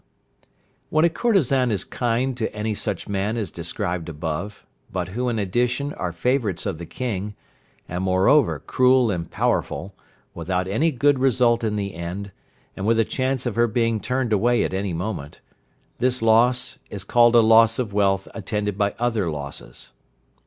When a courtesan is kind to any such man as described above, but who in addition are favourites of the King, and moreover cruel and powerful, without any good result in the end, and with a chance of her being turned away at any moment, this loss is called a loss of wealth attended by other losses.